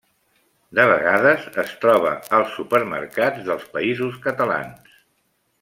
De vegades es troba als supermercats dels Països Catalans.